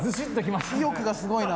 意欲がすごいな。